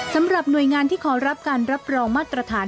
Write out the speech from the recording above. สำหรับหน่วยงานที่ขอรับการรับรองมาตรฐาน